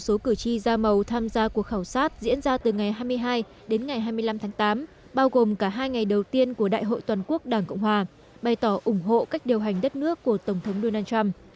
các cử tri da màu tham gia cuộc khảo sát diễn ra từ ngày hai mươi năm tháng tám bao gồm cả hai ngày đầu tiên của đại hội toàn quốc đảng cộng hòa bày tỏ ủng hộ cách điều hành đất nước của tổng thống donald trump